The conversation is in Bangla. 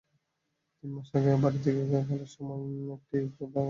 তিন মাস আগে বাড়িতে খেলা করার সময় একটি কুকুর তাকে কামড় দিয়েছিল।